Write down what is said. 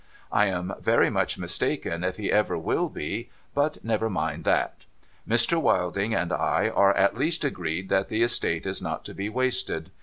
I am very much mistaken if he ever will be, but never mind that. Mr. Wilding and I are, at least, agreed that the estate is not to be wasted.